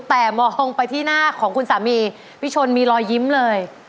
แต่มองไปที่หน้าของคุณสามีพี่ชนมีรอยยิ้มเลย